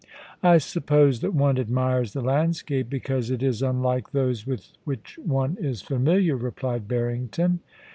* I suppose that one admires the landscape because it is unlike those with which one is familiar,' replied Barrington.